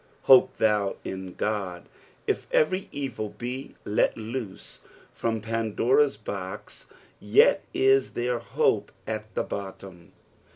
"Hope thou in Qod.''' If every evil be let loose from Fandura'a box, yet is there hope at the bottom.